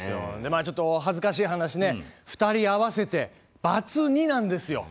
まあちょっとお恥ずかしい話ね２人合わせてバツ２なんですよ。